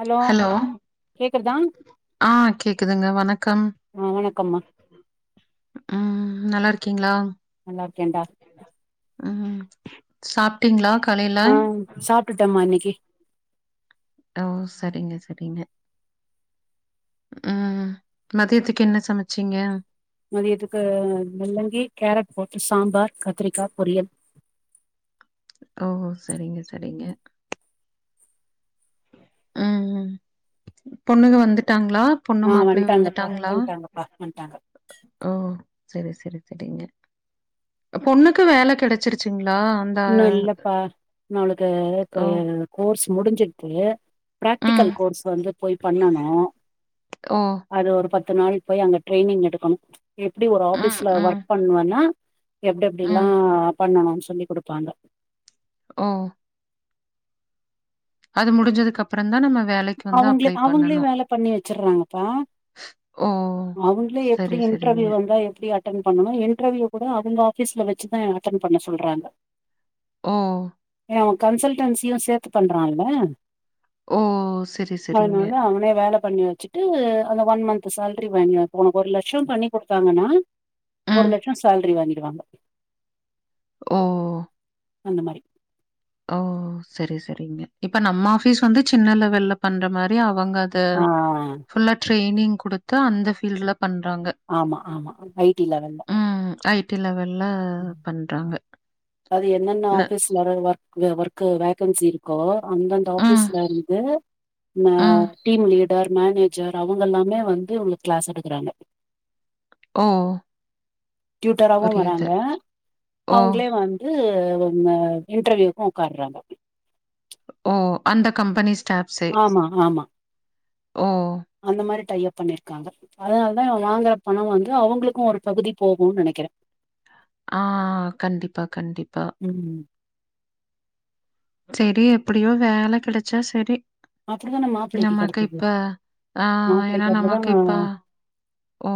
Hello கேக்குறதா ஆ கேக்குதுங்க வணக்கம் ஆ வணக்கம்மா ம் நல்லா இருக்கீங்ளா நல்லாருக்கே டா ம் சாப்ட்டீங்ளா காலைல சாப்ட்டுட்‌டோமா இன்னைக்கு ஓ சரிங்க சரிங்க ஆ மதியத்துக்கு என்ன சமைச்சீங்க மதியத்துக்கு முள்ளங்கி கேரட் போட்டு சாம்பார் கத்திரிக்கா பொரியல் ஓ சரிங்க சரிங்க ம் பொண்ணுங்க வந்துட்டாங்ளா பொண்ணு ஆ மாப்ளயு வந்ட்டாங்கப்பா வந்துட்டாங்ளா வந்ட்டாங்கப்பா வந்ட்டாங்க ஓ செரி செரி செரிங்க பொண்ணுக்கு வேல கெடச்சிருச்சுங்ளா இன்னு இல்லப்பா நம்மளுக்கு இப்ப ஓ கோர்ஸ் முடிஞ்சிட்த்து ம் ப்ராக்டிக்கல் கோர்ஸ் வந்து போய் பண்ணனு ஓ அது ஒரு பத் பத்து நாள் போய் அங்க ட்ரெய்னிங் எடுக்கணு எப்டி ஒரு ம் ஆபீஸ்ல ம் ஒர்க் பண்ணுவோன்னா எப்டி எப்டில்லா ம் பண்ணணுன் சொல்லி குடுப்பாங்க ம் அது முடிஞ்சதுக்கு அப்றதா நம்ம வேலைக்கு வந்து அவங்களே அப்ளை அவங்களே பண்ணணு வேல பண்ணி வச்சிர்றாங்கப்பா ஓ அவங்களே எப்டி சரி, சரிங்க. இன்டர்வியூ வந்தா எப்டி அட் டன் பண்ணு இன்டர்வியூ கூட அவங்க ஆபீஸ்ல வச்சுதான் அட்டென்் பண்ண சொல்றாங்க ஓ ஏன் கன்சல்டன்சியு சேத்து பண்றான்ல ஓ! சரி, சரிங்க. அதனால அவனே வேலை பண்ணி வச்சுட்டு அந்த ஒன் மந்த் சேல ரி வாங்க உனக்கு ஒரு லட்ச பண்ணி குடுத்தாங்கன்னா ஒரு ம். லட்ச சேலரி வாங்கிடுவாங்க ஓ அந்த மாரி ஓ சரி சரிங்க இப்ப நம்ம ஆபிஸ் வந்து சின்ன லெவல்ல பண்ற மாரி அவங்க த ஆ ஃபுல்லா ட்ரைனிங் குடுத்து அந்த பீல்ட்ல பண்றாங்க ஆமா ஆமா ஐடி லெவல்ல ம் ஐ டி லெவல்ல பண்றாங்க ன வர ஒர்க் ஒர்க் வேகன்சி இருக்கோ அந்தந்த ம், ஆபீஸ்ல இருந்து அ ம். டீம் லீடர் மேனேஜர் அவங்க எல்லாமே வந்து உங்களுக்கு கிளாஸ் எடுக்குறாங்க ஓ புரியுது அ ஓ! அவங்களே வந்து இன்ன இன்டர்வியூக்கு உக்கார்றாங்க ஓ அந்த கம்பெனி ஸ்டார் ஆமா ஆமா ஓ அந்த மாரி டை அப் பண்ணிருக்காங்க அதனாலதா வாங்குற பணம் வந்து அவங்களுக்கு ஒரு பகுதி போகு நெனைக்கிற ஆ கண்டிப்பா கண்டிப்பா ம் சரி எப்டியோ வேலை கெடைச்சா சரி அப்டிதான மாப்பிள்ளைக்கு நமக்கு கெடச்சது இப்ப ஆ ஏன்னா மாப்பிள்ளைக்கு அப்டிதா நமக்கு இப்ப ஓ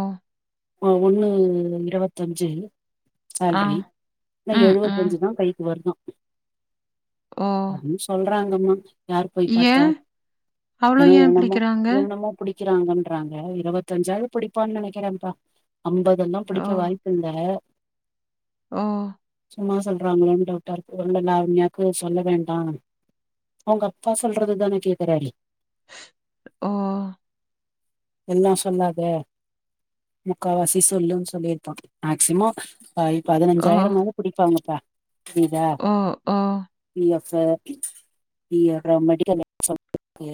ஒன்னு இருவத்தஞ்சு ஆ. சால்ரி ஆனா ம், ம். எழுவத்தஞ்சுதா கைக்கு வருதா ஓ! அப்டின் சொல்றாங்கம்மா யார் போய் பாத்தா ஏன்? அவ்ளோ ஏன் என்னென்னமோ பிடிக்கிறாங்க? என்னமோ புடிக்கிறாங்கன்றாங்க இருபத்தஞ்சாவது புடிப்பான் நினைக்கிறேன்ப்பா அம்பதெல்லா ஓ! புடிக்க வாய்ப்பில்ல ஓ சும்மா சொல்றாங்களோன் டவுட்டாருக்கு எல்லா நாருமையாக்கு சொல்ல வேண்டா அவங்க அப்பா சொல்றதுதான கேக்குறாரு ஓ எல்லா சொல்லாத முக்கால்வாசி சொல்லுன் சொல்லிருப்பாங்க மேக்சிமம் வந் ஓ! பதினஞ்சாயிரம்மாது புடிப்பாங்கப்பா புரியுதா ஓ! ஓ! P F P L medical allowance இருக்கு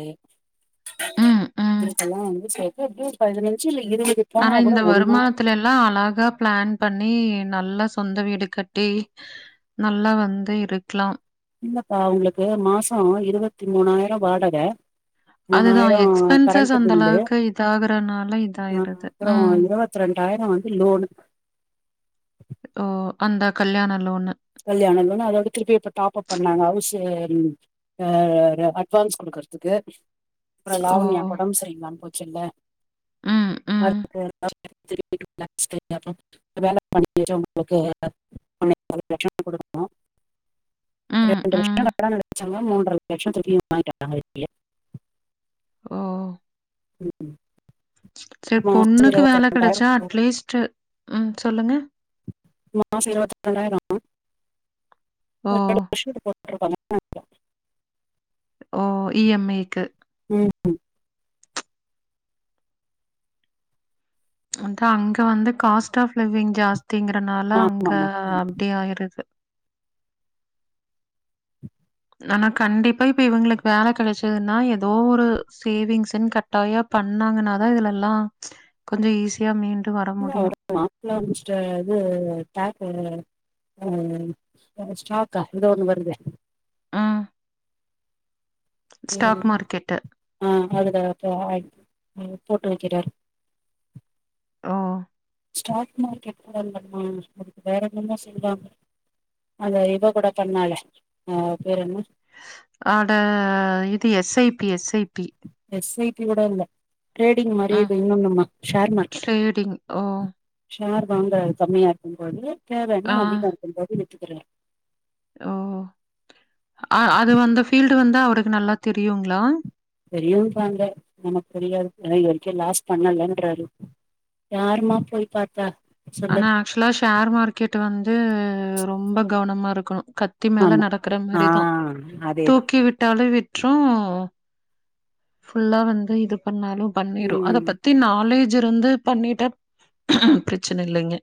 ம், ம். இதுக்கெல்லா வந்து செக்கப்க்கு பதினஞ்சு இல்ல இருபது போனா ஆனா கூட இந்த ஒன்னா வருமானத்துல எல்லா அழகாப் ப்ளான் பண்ணி நல்லா சொந்த வீடு கட்டி நல்லா வந்து இருக்லாம் இல்லப்பா உங்களுக்கு மாசோ இருவத்தி மூனாயிரோ வாடக அதுதான் மூனாயிரோ எக்ஸ்பென்சஸ் கரண்ட்டு அந்த பில்லு அளவுக்கு இதாகுறனால இதாயிடுது. அப்பறோ ம். இருவத் வத் ரெண்டாயிரோ வந்து லோன்னு ஓ அந்த கல்யாண லோனு கல்யாணம் பண்ணா அதோட திருப்பி இப்ப டாப்பப் பண்ணாங்க அவுசு தயாரா அட்வான்ஸ் குடுக்குறதுக்கு அப்பறோ ஓ! லாவண்யாக்கு ஒடம்பு சரியில்லாம போச்சுல்ல ம், ம். அதுக்கு [inaudible] திருப்பி டூ லாக்ஸ் [inaudible] லட்சோ குடுக்கனு ம், ம். [inaudible] சம்ம மூன்றர லட்சோ திருப்பி [inaudible] ஓ ம் ஹும் செரி பொண்ணுக்கு வேல ரெண்டாயிரம் கெடைச்சா போகும். அட்லீஸ்ட்டு ம் சொல்லுங்க மாசோ இருவத்தி ரெண்டாயிரோ ஓ! ஆ ரெண்ற வருஷத்துக்கு போட்டுட்ருப்பாங்க ஓ இ எம் மைக்கு ம் ஹும் அதா அங்க வந்து காஸ்ட் ஆஃப் லிவிங் ஜாஸ்திங்குறனால அங்க ஆமாம்மா ஆமா. அப்டி ஆயிருது நானா கண்டிப்பா இப்ப இவுங்களுக்கு வேல கெடைச்சதுன்னா ஏதோ ஒரு சேவிங்ஸ்ன்னு க ட்டாயோ பண்ணாங்கனாதா இதுலெல்லா கொஞ்சோ ஈஸியா மீண்டு வர முடியு மாப்புள்ள அமஞ்சுட்டா இது கேரக்டரு ஆ ஸ்டாக்கா இங்க ஒண்ணு வருதே ம். ஸ்டாக் ம் மார்க்கெட்டு. ஆ அதுல போய் போட்டு வக்கிறாரு ஓ ஸ்டாக் மார்க்கெட் இல்லம்மா அதுக்கு வேற என்னமோ சொல்வாங்க அந்த இவ கூட பண்ணாளே அவ பேரன்ன அட இது S I P S I P S I P கூட இல்ல ட்ரேடிங் மாறி ம். இது இன்னொன்னு ஷேர் மார்க்கெட் ட்ரேடிங். ஓ! ஷேர் வாங்குறது கம்மியா ஆகும்போது தேவன்னா ஆ. அதிகம் இருக்கும்போது வித்துக்குருவே ஓ அ அது வந்த ஃபீல்டு வந்தா அவருக்கு நல்லா தெரியுங்ளா தெரியுன்றாங்க நமக்கு தெரியாது ஆனா இதுவரைக்கு லாஸ் பண்ணலேன்றாரு யாருமா போய் பாத்தா சொல்லு ஆனா ஆக்சுவலா ஷேர் மார்க்கெட்டு வந்து ரொம்ப கவனமா இருக்கணு கத் த்தி மேல ஆமா நடக்குற ஆ மாரிதா அதேதா தூக்கி விட்டாலு விட் ட்ரு ஃபுல்லா வந்து இது பண்ணாலு பண்ணிரு அத ம் பத் பத்தி நாலேஜு இருந்து பண்ணிட்டா ப்ரச்சன இல்லேங்க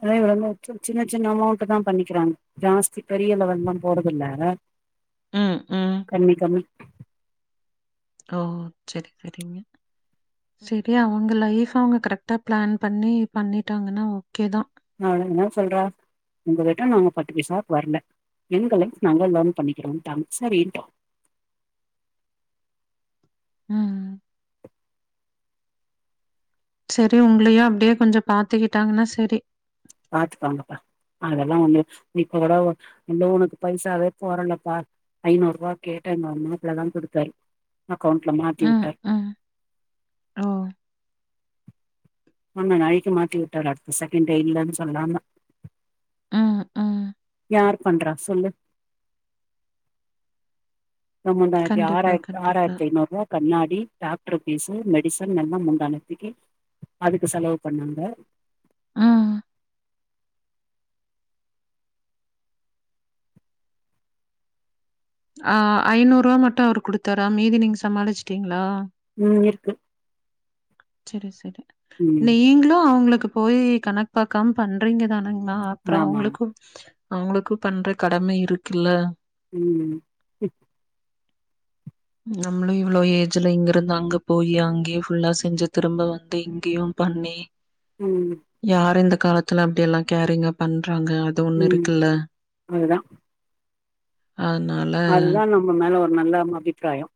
அதா இவ்ளோனு சின்ன சின்ன அமௌண்ட்டுதா பண்ணிக்கிறாங்க ஜாஸ்தி பெரிய லெவல்லா போடுதுல்ல ம் ம் கண்டிக்காம ஓ செரி செரிங்க செரி அவுங்க லைஃப்ப அவுங்க கரெக்டா ப்ளான் பண்ணி பண்ணிட்டாங்கன்னா ஓகே தா நா என்ன சொல்றா ஒங்கள விட நாங்க பத்து பைசாவுக்கு வரல எங்க லைஃப் நாங்க லேர்ன் பண்ணிக்கிறோட்டாங்க சரின்ட்டோ ம் ம் சரி உங்களையு அப்டியே கொஞ்சொ பாத்துக்கிட்டாங்கன்னா சரி பாத்துப்பாங்கப்பா அதெல்லா ஒன்னு இப்ப கூட ஒ இன்னு ஒனக்கு பைசாவே போடலப்பா ஐநூறுபா கேட்ட எங்க மாப்ளதா குடுத்தாரு அக்கௌண்ட்ல மாத்தி ம், விட்டாரு ம். ஓ ஆமா நைட்டு மாத்தி வுட்டாரு அடுத்த செகண்ட்டே இல்லனு சொல்லாம ம், ம். யார் பண்றா சொல்லு [unintelligible] கண்டிப்பா, ஆறாயிரத் கண்டிப்பா. ஆறாயிரத்தி ஐநூறுவா கண்ணாடி டாக்டர் ஃபீசு மெடிசன்னெல்லா முந்தாநேத்திக்கு அதுக்கு செலவு பண்ணாங்க ம். ஆ ஐநூறுவா மட்டு அவரு குடுத்தாரா மீதி நீங்க சமாளிச்சுட்டீங்ளா ம் இருக்கு செரி செரி ம் நீங்களு அவங்களுக்கு போய் கணக்கு பாக்காம பண்றீங்க தானங்னா அப்றோ ஆமா அவங்களுக்கும் அவங்களுக்கு பண்ற கடம இருக்குல்ல ம் நம்மளு இவ்ளோ ஏஜ்ல இங்க இருந்து அங்க போய் அங்கேயே ஃபுல்லா செஞ்சு திரும்ப வந்து இங்கயும் பண்ணி ம் யாரு இந்த காலத்துல அப்டி எல்லா கேரிங்கா பண்றாங்க ஒண்ணு ம் இருக்குல்ல. அதுதா அதுனால அதுதா நம்ம மேல ஒரு நல்ல ம் அபிப்ராயோ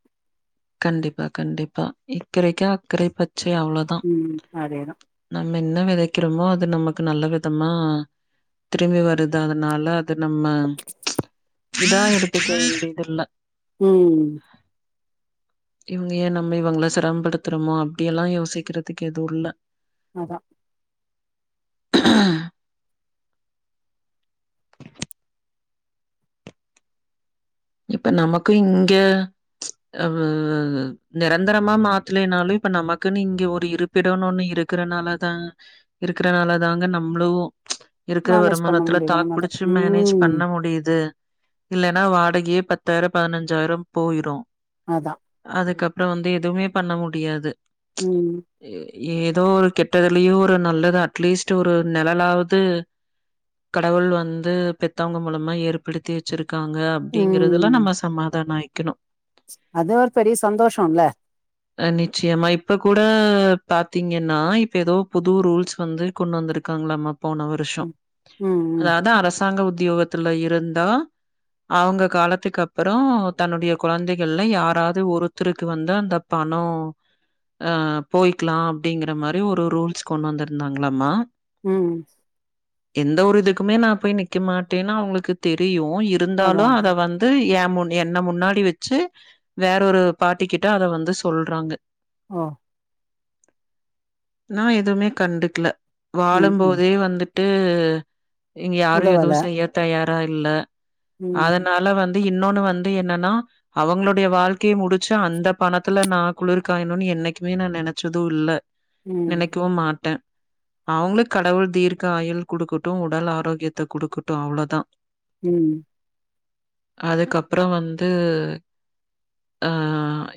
கண்டிப்பா கண்டிப்பா இக்கரைக்கு அக்கறை பச்சை அவ்ளோதா ம் அதேதா நம்ம என்ன வெதைக்கிறோமோ அது நமக்கு நல்ல விதமா திரும்பி வருது அதனால அது நம்ம இதா எடுத்துக்க வேண்டியதுல்ல ம் இவ்ங்க ஏ நம்ம இவங்கள செரமப்படுத்துறோமோ அப்டியெல்லா யோசிக்கிறதுக்கு எதுவுல்ல அதா இப்ப நமக்கு இங்க அ நிரந்தரமா மாத்தலேனாலு இப்ப நமக்குன்னு இங்க ஒரு இரு ப்பிடனு ஒன்னு இருக்கறனாலதா இருக்கறனால தாங்க நம்ளு இருக்குற மேனேஜ் பண்ண வருமானத்துல முடியல தாக் உன்னால புடிச்சு மேனேஜ் ம் பண்ண முடியுது இல்லன்னா வாடகையே பத்தாயிரொ பதினஞ்சாயிரொ போயிரு அதா அதுக்கப்றோ வந்து எதுவுமே பண்ண முடியாது ம் ஏதோ ஒரு கெட்டதுலயு ஒரு நல்லது அட்லீஸ்ட் ஒரு நெழலாவது கடவுள் வந்து பெத்தவங்க மூலமா ஏற்படுத்தி வச்சிருக்காங்க அப்டிங்கறதுல்ல ம் நம்ம சமாதானோ ஆயிக்கணு அது ஒரு பெரிய சந்தோஷோல்ல அ நிச்சயமா இப்ப கூட பாத்தீங்கன்னா இப்ப எதோ புது ரூல்ஸ் வந்து கொண் வந்திருக்காங்கலாம போன வருஷொ ம் ம் ம் அதாவ்து அரசாங்க உத்தியோகத்துல இருந்தா அவங்க காலத்துக்கு அப்றோ தன்னுடைய கொழந்தைகள்ல யாராவது ஒருத்தருக்கு வந்து அந்த பணோ அ போய்க்லா அப்டிங்கிற மாரி ஒரு ரூல்ஸ் கொண்டு வந்திருந்தாங்லாமா ம் எந்த ஒரு இதுக்குமே நா போய் நிக்க மாட்டேன்னு அவுங்ளுக்கு தெரியு அதா இருந்தாலு அதா அத வந் து ஏமுன் என்ன முன்னாடி வச்சு வேற ஒரு பாட்டி கிட்ட அத வந்து சொல்றாங்க ம் நா எதுவுமே கண்டுக்ல ம் ம் வாழும்போதே வந்துட் ட்டு இங்க யாரு எதுவு உதவல செய்யத் தயாரா இல்ல ம் அதனால வந்து இன்னொனு வந்து என்னனா அவங்களுடைய வாழ்க்கைய முடிச்சு அந்தப் பணத்துல நா குளிர் காயணுன் என்னைக்குமே நா நெனச்சது இல்ல ம் நினைக்கவும் மாட்டே அவுங்ளு கடவுள் தீர்க்க ஆயுள் குடுக்குட்டு உடல் ஆரோக்கியத்த குடுக்குட்டு அவ்ளோதா ம் அதுக்கப்ற வந்து அ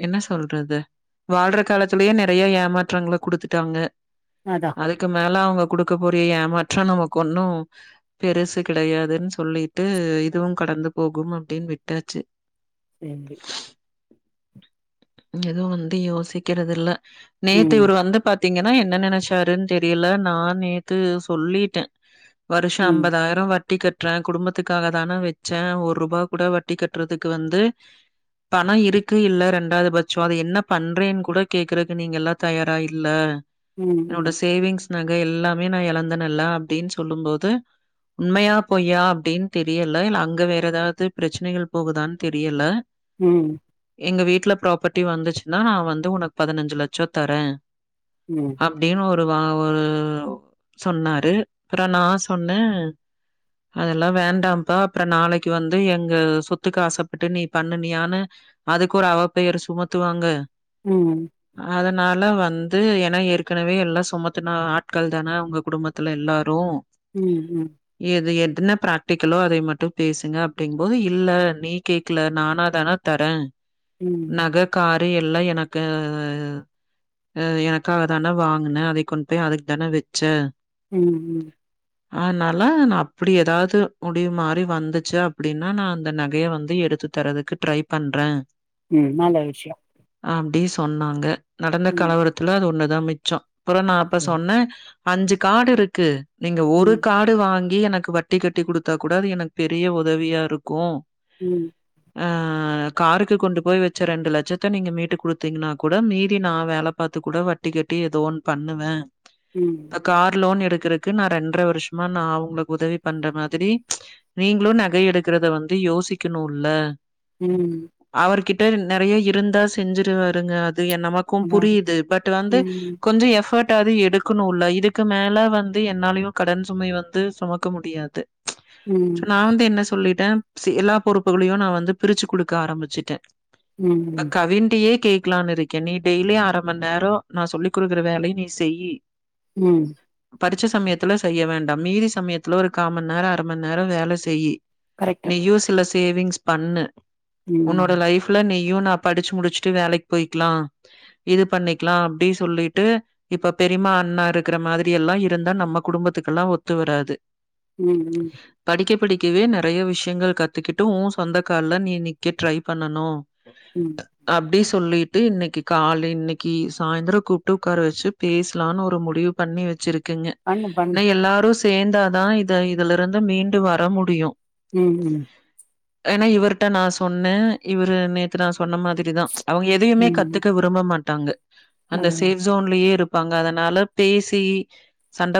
என்ன சொல்றது வாழ்ற காலத்திலியே நெறைய ஏமாற்றங்ள குடுத்துட்டாங்க அதா அதுக்கு மேல அவுங்க குடுக்க கூடிய ஏமாற்றோ நமக்கு ஒன்னு பெருசு கிடையாதுன் சொல்லிட்டு இதுவுங் கடந்து போகும் அப்டின் விட்டாச்சு தென்டி எதுவு வந்து யோசிக்கிறதில்ல நேத்து ம் இவரு வந்து பாத் பாத்தீங்கனா என்ன நெனச்சாருன் தெரியில நான் நேத்து சொல்லிட்டே வருஷ ம் அம்பதாயிர வட் ட்டி கட்றே குடும்பத்துக்காகதான வச்சே ஒர்ருபா கூட வட்டி கட்றதுக்கு வந்து பண இருக்கு இல்ல ரெண்டாதுப் வச்சோ அத என்னப் பண்றேன் கூட கேக்கறக்கு நீங்க எல்லா தயாரா இல்ல ம் என்னோட ம் சேவிங்ஸ் நகை எல்லாமே நா எழந்த நல்லா அப்டின் சொல்லும் போது உண்மையாப் பொய்யான் அப்டின் தெரியல இல்ல அங்க வேற எதாவது பிரச்னைகள் போகுதான் தெரியல ம் எங்க வீட்லப் ப்ராப்பர்ட்டி வந்துச்சுனா நா வந்து வுனக் பதினஞ்சு லட்சோ தரே ம் அப்டினு ஒரு வா ஒரு சொன்னாரு அப்ற நா சொன்னே அதெல்லா வேண்டாம்ப்பா அப்ற நாளைக்கு வந்து எங்க சொத்துக்கு ஆசப்பட்டு நீப் பண்ணுனியானு அதுக்கு ஒரு அவப் பெயர் சுமத்துவாங்க ம் ம் அதனால வந்து ஏனா ஏற்கனவே எல்லா சுமத்துனா ஆட்கள் தானே வுங்க குடும்பத் த்ல எல்லாரு ம் ம் எது எத்னப் பிராக்டிக்கலோ அதை மட்டும் பேசுங்க அப்டிங்கம் போது இல்ல நீ கேக்கல நானா தானாக் தரே ம் நக காரு எல்லா எனக்கே அ எனக்காக தான வாங்கன அதை கொண் போய் அதுக்தானே வச்சே ம் ம் [inaudible] அதுனால நா அப்டி எதாது முடிவு மாரி வந்துச்சு அப்டினா நா அந்த நகைய வந்து எடுத்து தரதுக்கு ட்ரை பண்ற ம் நல்ல விஷ்யோ அப்டி சொன்னாங்க நடந்த ம் கலவரத்துல அது ஒண்ணுதா மிச்சோ அப்பறோ நா அப்ப சரி சொன்ன அஞ்சு காடு இருக்கு நீங்க ஒரு ம் கா டு வாங்கி எனக்கு வட்டி கட்டி குடுத்தா கூட அது எனக்கு பெரிய உதவியா இருக்கூ ம் ஆ காருக்கு கொண்டு போய் வச்ச ரெண்டு லெட்சத்த நீங்க மீட்டு குடுத்தீங்கனா கூட மீதி நா வேல பாத்து கூட வட்டி கட்டி ஏதோ ஒன்னு பண்ணுவ ம் கார் லோன் எடுக்குறக்கு நா ரெண்ர வர்ஷமா நா அவங்களுக்கு உதவி பண்ற மாதிரி நீங்களு நகை எடுக்குறத வந்து யோசிக்கணும்ல ம் அவருகிட்ட நெறைய இருந்தா செஞ்சுருவாருங்க அது என்னமோ அதா அதா புரியுது பட் வந்து ம் கொஞ்சோ எஃபர்ட் போட்டாது எடுக்கணுல்ல இதுக்கு மேல வந்து என்னாலயு கடன் சுமைய வந்து சுமக்க முடியாது ம் சோ நா வந்து என்ன சொல்லிட்ட சீ எல்லா பொறுப்புகளையு நா வந்து பிரிச்சு குடுக்க ஆரம்பிச்சுட்டே ம் ம் கவின்டயே கேக்கலானு இருக் கே நீ டெய்லி அர மண் நேரோ நா சொல்லி குடுக்குற வேலயு நீ செய்யி ம் பருச்ச சமயத்துல செய்ய வேண்டா மீதி சமயத்துல ஒரு கா மண் நேரோ அர மண் நேரோ வேல செய்யி கரெக்ட்டு நீயு சில சேவிங்ஸ் பண்ணு ம் உன்னோட லைஃப் ல நீயு நா படுச்சு முடிச்சுட்டு வேலைக்கு போயிக்கலா இது பண்ணிக்கலா அப்டி சொல்லிட்டு இப்ப பெரிமா அண்ணா இருக்குற மாதிரி எல்லா இருந்தா நம்ம குடும்பத்துகெல்லா ஒத்து வராது ம் ம் படிக்க படிக்கவே நெறைய விஷ்யங்கள் கத்துகிட்டு ஓ சொந்த கால்ல நீ நிக்க ட்ரை பண்ணனு ம் அப்டி சொல்லிட்டு இன்னைக்கி கால்லே இன்னைக்கி சாய்ந்தரோ கூப்டு உக்கார வச்சு பேசலானு ஒரு முடிவு பண்ணி வச்சுருக் கேங்க பண்ணு பண்ணு ஏனா எல்லாரு சேந்தாதா இத இதுல இருந்து மீண்டு வர முடியு ம் ம் ஏனா இவருட்ட நா சொன்ன இவரு நேத்து நா சொன்ன மாதிரிதா அவுங்க எதையுமே ம் கத்துக்க விரும்ப மாட்டாங்க அந்த அதா அதா சேவ்ஸ் ஜோன்லயே இருப்பாங்க அதனால பேசி சண்ட